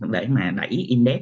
để mà đẩy index